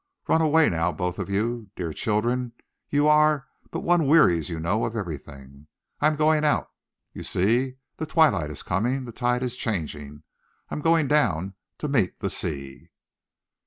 Run away now, both of you. Dear children you are, but one wearies, you know, of everything. I am going out. You see, the twilight is coming. The tide is changing. I am going down to meet the sea."